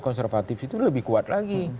konservatif itu lebih kuat lagi